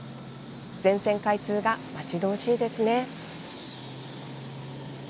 全線開通が待ち遠しいですね。